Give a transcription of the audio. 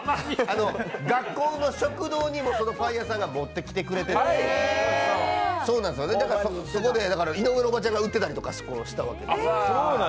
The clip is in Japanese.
学校の食堂にも、そのパン屋さんが持ってきてくれてそこで井上のおばちゃんが売ってたりしたんですよ。